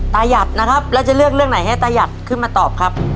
ยัดนะครับแล้วจะเลือกเรื่องไหนให้ตายัดขึ้นมาตอบครับ